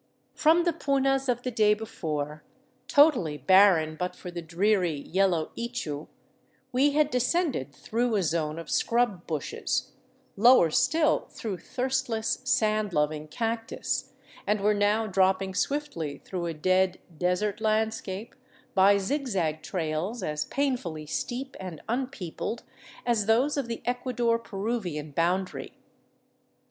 From the punas of the day before, totally barren but for the dreary, yellow ichu, we had descended through a zone of scrub bushes, lower still through thirstless, sand loving cactus, and were now dropping swiftly through a dead, desert landscape by zigzag trails as painfully steep and unpeopled as those of the Ecuador Peruvian boundary.